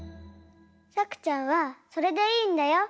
さくちゃんはそれでいいんだよ。